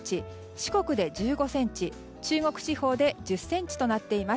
四国で１５ｃｍ、中国地方で１０ｃｍとなっています。